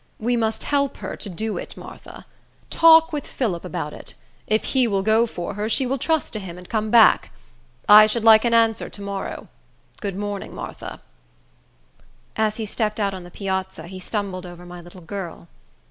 We must help her to do it, Martha. Talk with Phillip about it. If he will go for her, she will trust to him, and come back. I should like an answer to morrow. Good morning, Martha." As he stepped out on the piazza, he stumbled over my little girl.